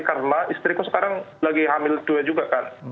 dari sekarang lagi hamil dua juga kan